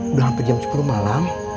udah sampai jam sepuluh malam